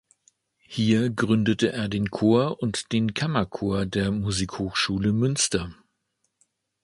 Hier gründete er den Chor und den Kammerchor der Musikhochschule Münster.